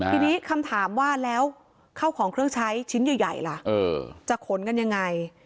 ทีนี้คำถามว่าแล้วเข้าของเครื่องใช้ชิ้นใหญ่ล่ะจะขนกันยังไง